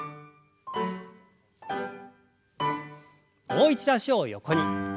もう一度脚を横に。